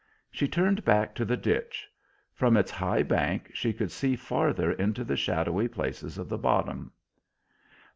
She turned back to the ditch; from its high bank she could see farther into the shadowy places of the bottom.